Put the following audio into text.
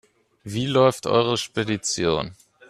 Wie läuft eure Spedition?